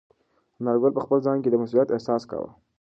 انارګل په خپل ځان کې د مسؤلیت احساس کاوه.